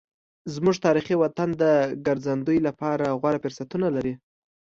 زموږ تاریخي وطن د ګرځندوی لپاره غوره فرصتونه لري.